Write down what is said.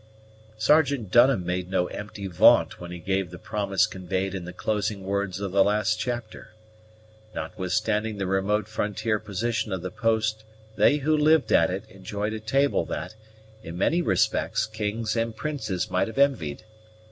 _ Sergeant Dunham made no empty vaunt when he gave the promise conveyed in the closing words of the last chapter. Notwithstanding the remote frontier position of the post they who lived at it enjoyed a table that, in many respects, kings and princes might have envied.